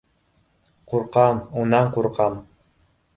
Ҡурҡам, унан ҡурҡам!